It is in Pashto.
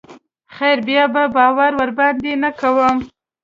خير بيا به باور ورباندې نه کوم.